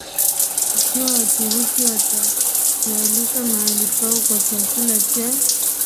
Ikiwa Waturuki watakualika mahali pao kwa chakula cha